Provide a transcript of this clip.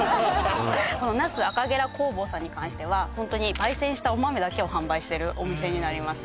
この那須あかげら工房さんに関してはホントに焙煎したお豆だけを販売してるお店になります